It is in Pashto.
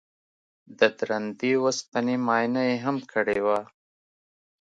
د درندې وسپنې معاینه یې هم کړې وه